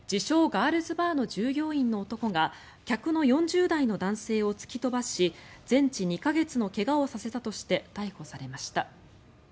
・ガールズバーの従業員の男が客の４０代の男性を突き飛ばし全治２か月の怪我をさせたとして逮捕されました。